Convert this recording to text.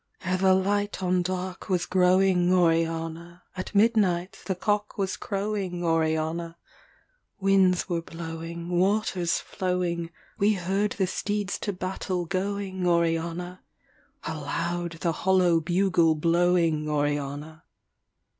Ere the light on dark was growing, Oriana, At midnight the cock was crowing, Oriana: Winds were blowing, waters flowing, We heard the steeds to battle going, Oriana; Aloud the hollow bugle blowing, Oriana.